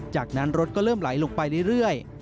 จากนั้นรถก็เริ่มไหลลงไปเรื่อย